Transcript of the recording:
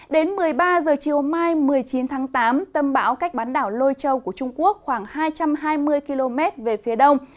đến một mươi ba h chiều mai một mươi chín tháng tám tâm bão cách bán đảo lôi châu của trung quốc khoảng hai trăm hai mươi km về phía đông